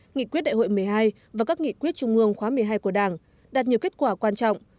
nghị quyết đại hội một mươi hai và các nghị quyết trung ương khóa một mươi hai của đảng đạt nhiều kết quả quan trọng